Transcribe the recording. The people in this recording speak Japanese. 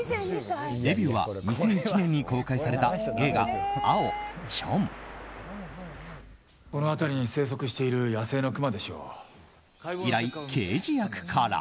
デビューは２００１年に公開されたこの辺りに生息している以来、刑事役から。